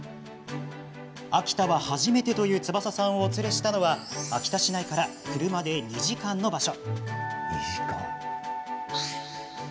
秋田は初めてという翼さんをお連れしたのは秋田市内から車で２時間の場所。